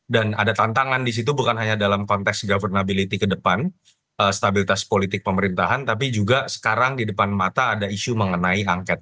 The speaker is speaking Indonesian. dan ada tantangan di situ bukan hanya dalam konteks governability ke depan stabilitas politik pemerintahan tapi juga sekarang di depan mata ada isu mengenai angket